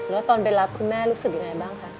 แล้วตอนไปรับคุณแม่รู้สึกยังไงบ้างคะ